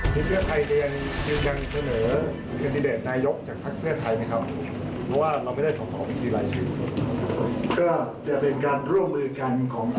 เรายึดเอาเจตจำนวงและความต้องการของวินองประชาชนเป็นการกำหนด